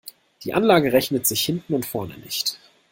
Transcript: Die Anlage rechnet sich hinten und vorne nicht.